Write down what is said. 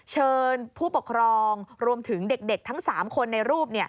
เชิญผู้ปกครองรวมถึงเด็กทั้ง๓คนในรูป